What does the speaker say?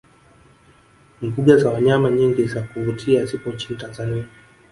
mbuga za wanyama nyingi za kuvutia zipo nchini tanzania